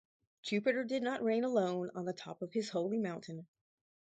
Jupiter did not reign alone on the top of his holy mountain.